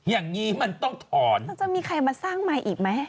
อย่างนี้มันต้องถอนมันจะมีใครมาสร้างใหม่อีกไหม